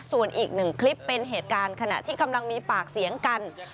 ส่วนอีกหนึ่งคลิปเป็นเหตุการณ์ขณะที่กำลังมีปากเสียงกัน